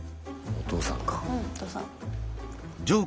お父さん。